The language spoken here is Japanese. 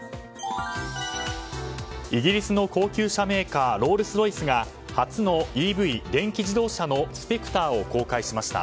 イギリスの高級車メーカーロールス・ロイスが初のＥＶ・電気自動車のスペクターを公開しました。